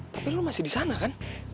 tapi lu masih di sana kan